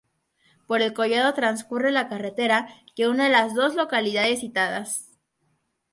Por el collado transcurre la carretera que une las dos localidades citadas.